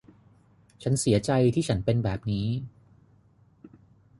ฉันเสียใจที่ฉันเป็นแบบนี้